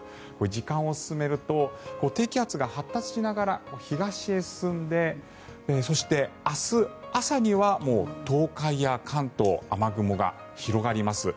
時間を進めると低気圧が発達しながら東へ進んでそして、明日朝にはもう東海や関東雨雲が広がります。